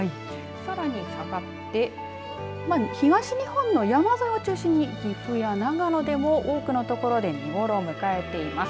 さらに下がって東日本の山沿いを中心に岐阜や長野でも多くの所で見頃を迎えています。